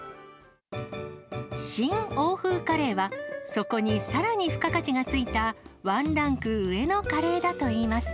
新欧風カレーは、そこにさらに付加価値がついたワンランク上のカレーだといいます。